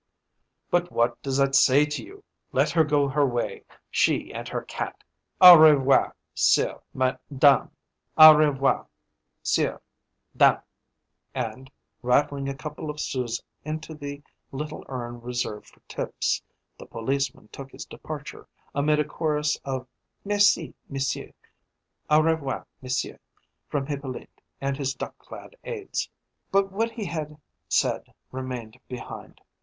"But what does that say to you? Let her go her way, she and her cat. Au r'voir, 'sieurs, 'dame." And, rattling a couple of sous into the little urn reserved for tips, the policeman took his departure, amid a chorus of "Merci, m'sieu', au r'voir, m'sieu'," from Hippolyte and his duck clad aids. But what he had said remained behind.